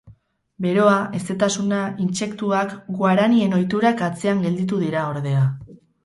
Beroa, hezetasuna, intsektuak, guaranien ohiturak atzean gelditu dira, ordea.